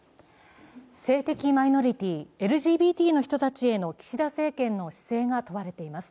性的マイノリティー＝ＬＧＢＴの人たちへの岸田政権の姿勢が問われています。